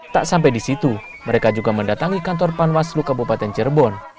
tak sampai di situ mereka juga mendatangi kantor panwaslu kabupaten cirebon